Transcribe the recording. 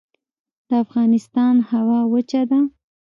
د افغانستان هوا وچه ده